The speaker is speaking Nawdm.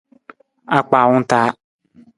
Akpaawung taa.